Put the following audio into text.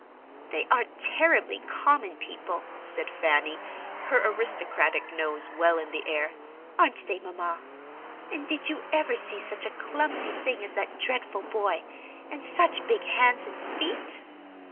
"They are terribly common people," said Fanny, her aristocratic nose well in the air, "aren't they, Mamma? And did you ever see such a clumsy thing as that dreadful boy, and such big hands and feet?"